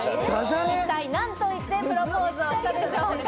一体何と言ってプロポーズしたでしょうか。